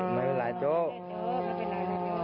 ไม่มีเวลาเจ้า